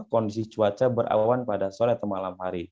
kondisi cuaca berawan pada sore atau malam hari